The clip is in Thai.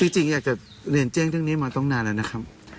จริงอยากจะเรียนแจ้งเรื่องนี้มาตั้งนานแล้วนะครับ